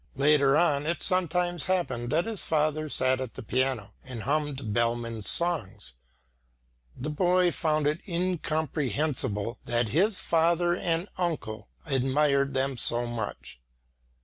Later on, it sometimes happened that his father sat at the piano, and hummed Bellmann's songs. The boy found it incomprehensible that his father and uncle admired them so much.